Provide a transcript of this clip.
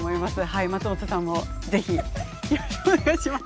松本さんも是非よろしくお願いします。